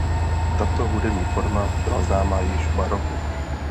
Tato hudební forma byla známa již v baroku.